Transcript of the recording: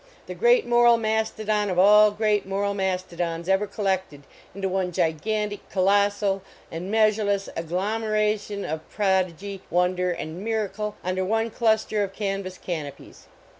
The great moral mastodon of all great moral mas todons ever collected into one gigantic, col lossal and measureless agglomeration of prod igy, wonder and miracle under one cluster of canvas canopies